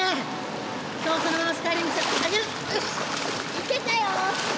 いけたよ！